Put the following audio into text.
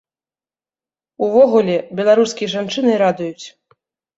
Увогуле, беларускія жанчыны радуюць.